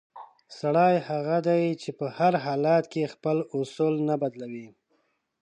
سړی هغه دی چې په هر حالت کې خپل اصول نه بدلوي.